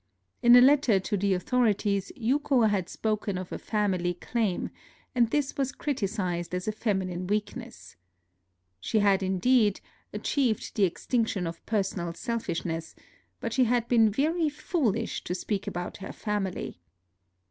In a letter to the authorities Yuko had spoken of a family claim, and this was criticised as a feminine weakness. She had, indeed, achieved the ex tinction of personal selfishness, but she had been " very foolish " to speak about her fam ily.